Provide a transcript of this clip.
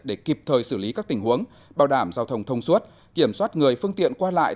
để kịp thời xử lý các tình huống bảo đảm giao thông thông suốt kiểm soát người phương tiện qua lại